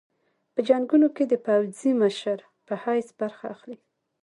په جنګونو کې د پوځي مشر په حیث برخه اخلي.